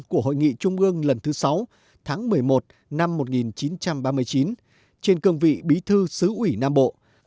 của hội nghị trung ương lần thứ sáu tháng một mươi một năm một nghìn chín trăm ba mươi chín trên cương vị bí thư xứ ủy nam bộ